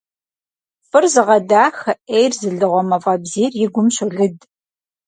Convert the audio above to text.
ФӀыр зыгъэдахэ, Ӏейр зылыгъуэ мафӀэбзийр и гум щолыд.